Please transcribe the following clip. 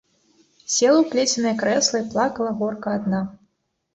Села ў плеценае крэсла і плакала горка адна.